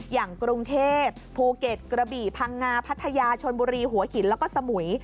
อย่างกรุงเทพภูเก็ตกระบี่พังงาพัทยาชนบุรีหัวหินแล้วก็สมุย